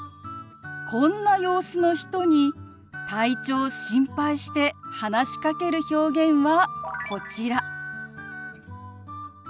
こんな様子の人に体調を心配して話しかける表現はこちら。